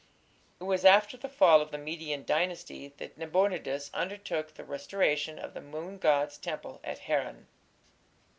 It was after the fall of the Median Dynasty that Nabonidus undertook the restoration of the moon god's temple at Haran.